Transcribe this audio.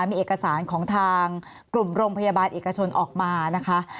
มีเอกสารของทางกลุ่มโรงพยาบาลเอกชนออกมานะคะ